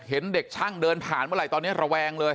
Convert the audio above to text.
เห็นเด็กช่างเดินผ่านเมื่อไหร่ตอนนี้ระแวงเลย